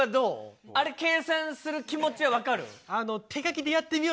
あれ計算する気持ちは分かる？